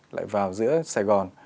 lại vào giữa sài gòn